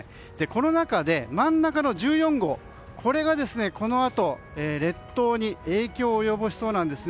この中で、真ん中の１４号がこのあと列島に影響を及ぼしそうなんです。